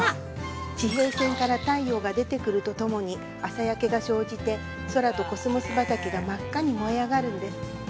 ◆地平線から太陽が出てくるとともに朝焼けが生じて空とコスモス畑が真っ赤にもえ上がるんです。